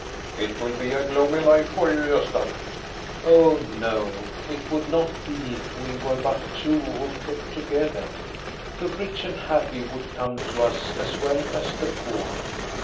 " It will be a gloomy life for you, Gosta." " Oh, no, it would not be if we were but two who kept together. The rich and happy would come to us as well as the poor.